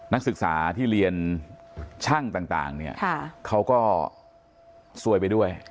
นักศึกษาที่เรียนช่างต่างเนี่ยเขาก็ซวยไปด้วย